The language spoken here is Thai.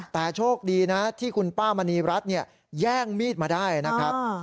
แต่โชคดีนะที่คุณป้ามณีรัฐแย่งมีดมาได้นะครับ